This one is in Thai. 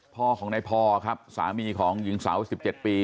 พ่อของนายพอครับสามีของหญิงสาว๑๗ปี